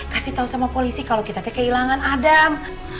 kasih tau sama polisi kalo kita teh kehilangan adem